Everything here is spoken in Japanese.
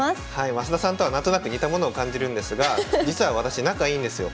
増田さんとは何となく似たものを感じるんですが実は私仲いいんですよ。